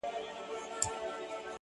لا لرمه څو خبري اورېدو ته که څوک تم سي-